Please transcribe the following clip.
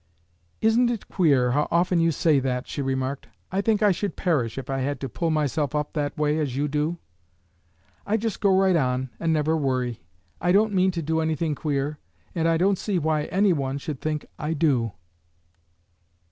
"Isn't it queer how often you say that!" she remarked. "I think I should perish if I had to pull myself up that way as you do. I just go right on, and never worry. I don't mean to do any thing queer, and I don't see why any one should think I do."